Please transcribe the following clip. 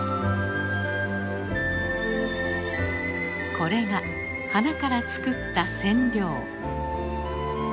これが花から作った染料。